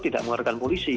tidak menghargai polisi